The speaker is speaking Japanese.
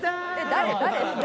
誰？」